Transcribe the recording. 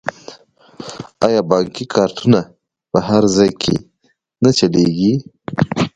آیا بانکي کارتونه په هر ځای کې نه چلیږي؟